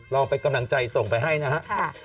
เราเป็นกำลังใจส่งไปให้นะครับ